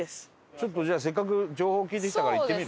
ちょっとじゃあせっかく情報聞いてきたから行ってみる？